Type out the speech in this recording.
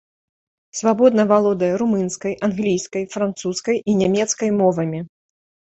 Свабодна валодае румынскай, англійскай, французскай і нямецкай мовамі.